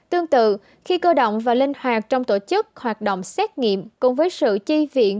tương tự khi cơ động và linh hoạt trong tổ chức hoạt động xét nghiệm cùng với sự chi viện